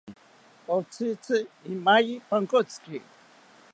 Otzitzi imaye pankotziki